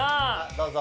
どうぞ。